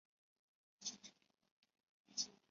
显然泡泡糖已被阴魔王附身。